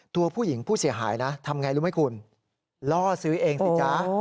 ตัวผู้หญิงผู้เสียหายนะทำไงรู้ไหมคุณล่อซื้อเองสิจ๊ะ